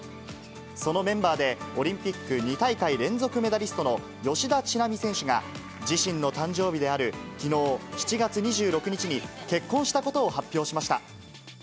そのメンバーで、オリンピック２大会連続メダリストの吉田知那美選手が、自身の誕生日であるきのう７月２６日に、結婚したことを発表しました。